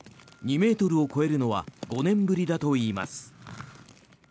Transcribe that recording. ２ｍを超えるのは５年ぶりだといいます。